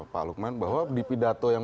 pak lukman bahwa di pidato yang